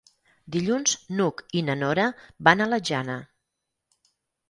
Dilluns n'Hug i na Nora van a la Jana.